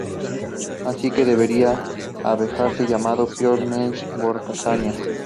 Así que debería haberse llamado Piotr Miles Vorkosigan.